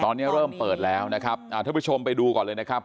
ตอนนี้เริ่มเปิดแล้วนะครับท่านผู้ชมไปดูก่อนเลยนะครับ